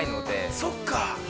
◆そっか。